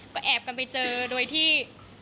ก็แอบกันไปเจอโดยที่